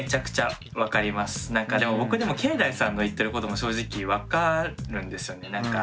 でも僕けいだいさんの言ってることも正直分かるんですよね。